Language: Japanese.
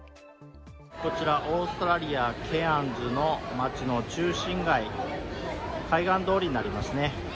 こちらオーストラリア・ケアンズの街の中心街、海岸通りになりますね。